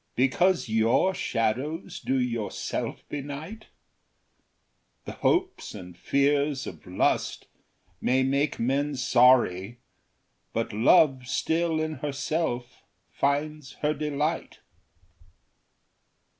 Because your shadows do yourself benight ? The hopes and fears of lust may make men sorry. But love still in herself finds her delight.